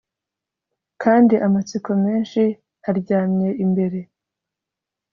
kandi amatsiko menshi aryamye imbere